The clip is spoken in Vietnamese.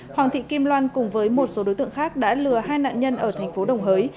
hoàng thị kim loan cùng với một số đối tượng khác đã lừa hai nạn nhân ở thành phố đồng hới